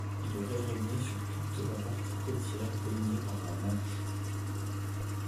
Il aurait régné sur toute la partie côtière baignée par la Manche.